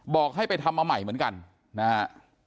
บอกให้ไปทำมาใหม่เหมือนกันนะฮะ